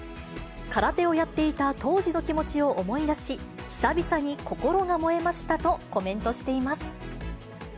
空手をやっていた当時の気持ちを思い出し、久々に心が燃えましたとコメントしています。